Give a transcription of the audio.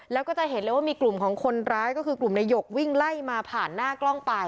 แล้วก็จะเห็นเลยว่ามีกลุ่มของคนร้ายก็คือกลุ่มนายกวิ่งไล่มาผ่านหน้ากล้องไป